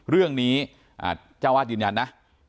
เรื่องนี้เจ้าวาดยืนยันนะ